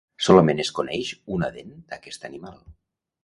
Solament es coneix una dent d'aquest animal.